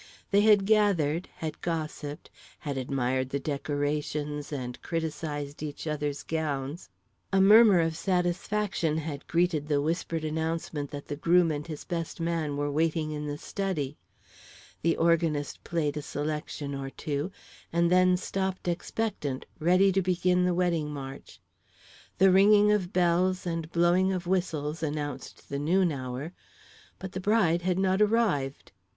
They had gathered, had gossiped, had admired the decorations and criticised each other's gowns; a murmur of satisfaction had greeted the whispered announcement that the groom and his best man were waiting in the study; the organist played a selection or two and then stopped, expectant, ready to begin the wedding march. The ringing of bells and blowing of whistles announced the noon hour, but the bride had not arrived.